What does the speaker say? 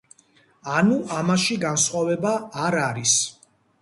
ანუ ამაში განსხვავება არ არის.